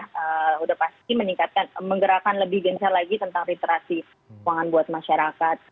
sudah pasti meningkatkan menggerakkan lebih gencar lagi tentang literasi keuangan buat masyarakat